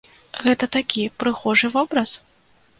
Гэта такі прыгожы вобраз?